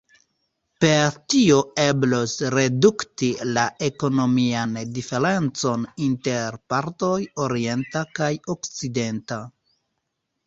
Per tio eblos redukti la ekonomian diferencon inter partoj orienta kaj okcidenta.